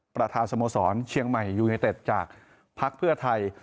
ประธานสโมสรเชียงใหม่ยูเนเต็ดจากภักดิ์เพื่อไทย